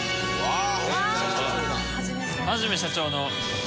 ああ！